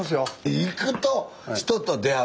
行くと人と出会う。